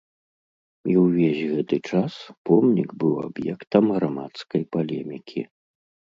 І ўвесь гэты час помнік быў аб'ектам грамадскай палемікі.